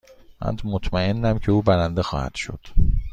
من مطمئنم که او برنده خواهد شد.